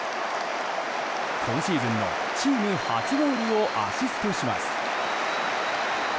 今シーズンのチーム初ゴールをアシストします。